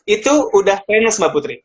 itu udah tenis mbak putri